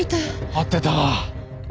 合ってた。